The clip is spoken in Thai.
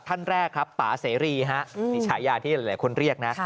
ท่านแรกปเสรีมีฉายาที่หลายคนเรียกนะ